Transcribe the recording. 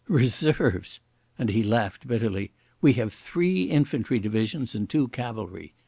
"Reserves!" and he laughed bitterly. "We have three infantry divisions and two cavalry.